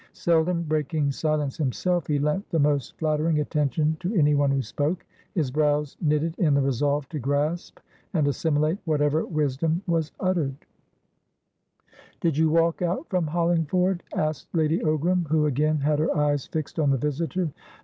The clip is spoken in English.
Seldom breaking silence himself, he lent the most flattering attention to anyone who spoke, his brows knitted in the resolve to grasp and assimilate whatever wisdom was uttered: "Did you walk out from Hollingford?" asked Lady Ogram, who again had her eyes fixed on the visitor.